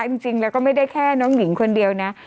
จริงแล้วก็ไม่ได้แค่น้องหญิงคนเดียวนะ